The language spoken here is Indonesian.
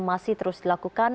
masih terus dilakukan